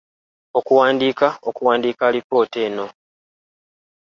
okuwandiika okuwandiika alipoota eno